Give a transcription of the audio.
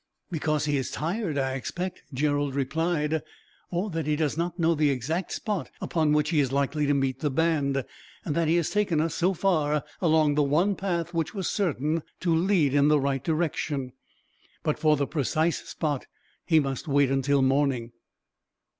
"Because he is tired, I expect," Gerald replied; "or that he does not know the exact spot upon which he is likely to meet the band; and that he has taken us, so far, along the one path which was certain to lead in the right direction, but for the precise spot he must wait, till morning."